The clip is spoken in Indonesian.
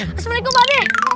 assalamualaikum pak ade